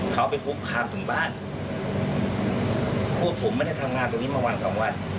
เขาไปคุกคามถึงบ้านพวกผมไม่ได้ทำงานตรงนี้มาวันสองวัน